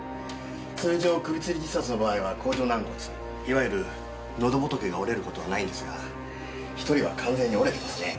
通常首つり自殺の場合は甲状軟骨いわゆるのどぼとけが折れる事はないんですが１人は完全に折れてますね。